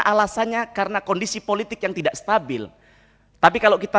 dan bila sih diacommittee menunjukkan bahwa mbp tusuk pasok ini